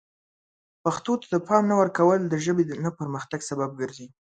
پښتو ته د پام نه ورکول د ژبې نه پرمختګ سبب ګرځي.